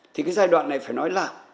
thì cái giai đoạn này phải nói là